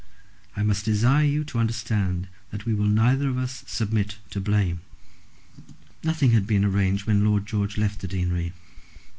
I must desire you to understand that we will neither of us submit to blame." Nothing had been arranged when Lord George left the deanery.